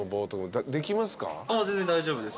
全然大丈夫です。